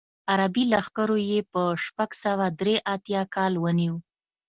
عربي لښکرو یې په شپږ سوه درې اتیا کال ونیو.